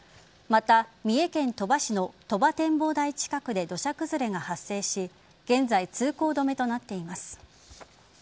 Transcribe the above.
また、三重県鳥羽市の鳥羽展望台近くで土砂崩れが発生し現在、通行止めとなっています。